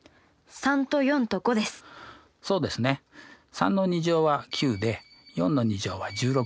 ３の２乗は９で４の２乗は１６。